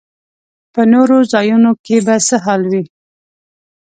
په نورو ځایونو کې به څه حال وي.